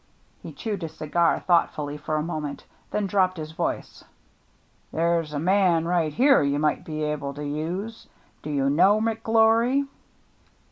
He chewed his cigar thoughtfully for a mo ment, then dropped his voice. "There's a man right here you might be able to use. Do you know McGlory?"